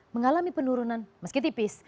mengalami penurunan meski tipis